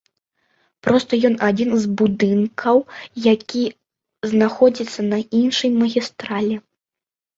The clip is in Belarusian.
Проста ён адзін з будынкаў, які знаходзіцца на іншай магістралі.